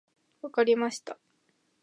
分かりました。